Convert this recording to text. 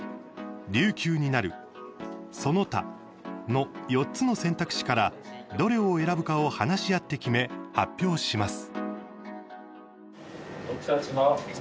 「琉球になる」「その他」の４つの選択肢からどれを選ぶかを話し合って決め、発表します。